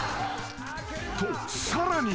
［とさらに］